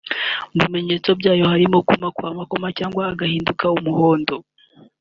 Mu bimenyetso byayo harimo kuma kw’amakoma cyangwa agahinduka umuhondo